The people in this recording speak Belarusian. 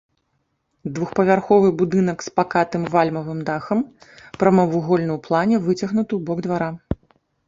Двухпавярховы будынак з пакатым вальмавым дахам, прамавугольны ў плане, выцягнуты ў бок двара.